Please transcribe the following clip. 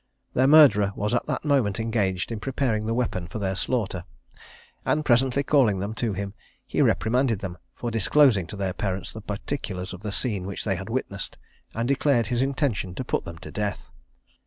Their murderer was at that moment engaged in preparing the weapon for their slaughter, and presently calling them to him, he reprimanded them for disclosing to their parents the particulars of the scene which they had witnessed, and declared his intention to put them to death.